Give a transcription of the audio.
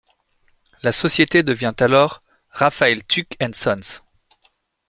La société devient alors Raphael Tuck & sons.